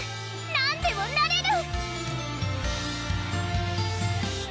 なんでもなれる！